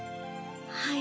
はい。